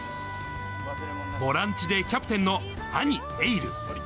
ボランチでキャプテンの兄、瑛琉。